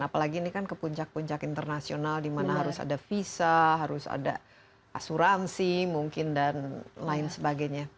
apalagi ini kan ke puncak puncak internasional di mana harus ada visa harus ada asuransi mungkin dan lain sebagainya